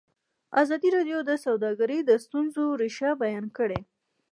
ازادي راډیو د سوداګري د ستونزو رېښه بیان کړې.